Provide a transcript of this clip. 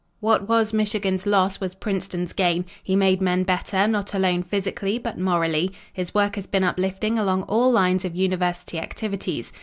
"What was Michigan's loss, was Princeton's gain. He made men better, not alone physically, but morally. His work has been uplifting along all lines of university activities.